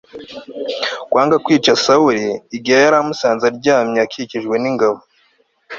bwa zifu, dawudi yongeye kwanga kwica sawuli, igihe yari amusanze aryamye akikijwe n'ingabo